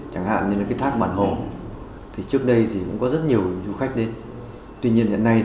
chẳng hạn như thác bản hồ trước đây cũng có rất nhiều du khách đến